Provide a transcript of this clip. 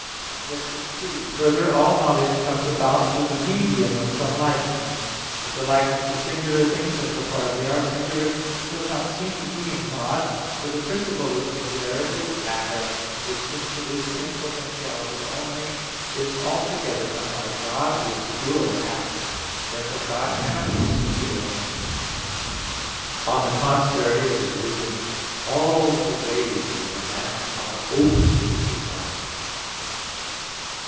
Obj. 3: Further, all knowledge comes about through the medium of some likeness. But the likeness of singular things in so far as they are singular, does not seem to be in God; for the principle of singularity is matter, which, since it is in potentiality only, is altogether unlike God, Who is pure act. Therefore God cannot know singular things. On the contrary, It is written (Prov. 16:2), "All the ways of a man are open to His eyes."